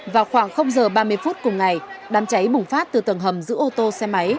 vào khoảng giờ ba mươi phút cùng ngày đám cháy bùng phát từ tầng hầm giữ ô tô xe máy